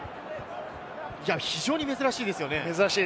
非常に珍しいですよね。